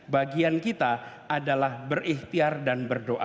bagian kita adalah berikhtiar dan berdoa